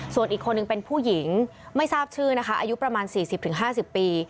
ส่วนอีกคนหนึ่งเป็นผู้หญิงไม่ทราบชื่อนะคะอายุประมาณ๔๐๕๐ปี